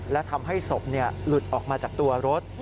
และทำให้ศพหลุดออกมาจากตัวรถ